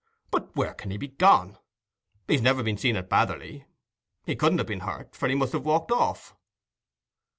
But where can he be gone? He's never been seen at Batherley. He couldn't have been hurt, for he must have walked off."